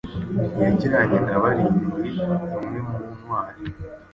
Yajyanye na barindwi imwe mu ntwari